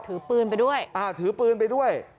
ถือปืนไปด้วยอ่าถือปืนไปด้วย